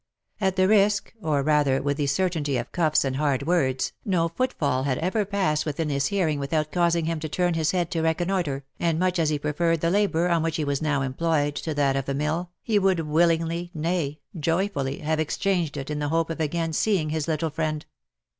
At the risk, or rather with the certainty of cuffs and hard words, no foot fall had ever passed within his hearing without causing him to turn his head to reconnoitre, and much as he preferred the labour on which he was now employed to that of the mill, he would willingly, nay joyfully, have exchanged it in the hope of again seeing his little friend.